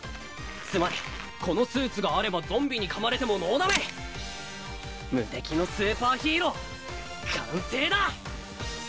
つまりこのスーツがあればゾンビにか無敵のスーパーヒーロー完成だ！